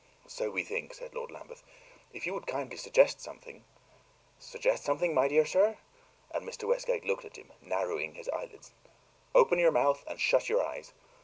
"So we think," said Lord Lambeth. "If you would kindly suggest something " "Suggest something, my dear sir?" and Mr. Westgate looked at him, narrowing his eyelids. "Open your mouth and shut your eyes!